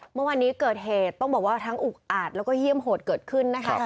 เมื่อวานนี้เกิดเหตุต้องบอกว่าทั้งอุกอาจแล้วก็เยี่ยมโหดเกิดขึ้นนะคะ